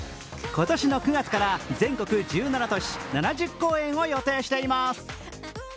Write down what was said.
今年の９月から全国１７都市７０公演を予定しています。